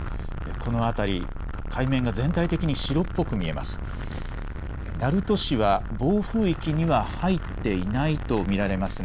この辺り、海面が全体的に白っぽく見えます。